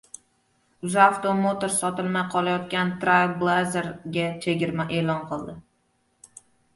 UzAuto Motors sotilmay qolayotgan “Trailblazer”ga chegirma e’lon qildi